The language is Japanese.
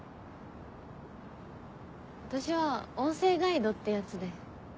私は音声ガイドってやつで。